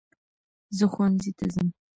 زہ ښوونځي ته ځم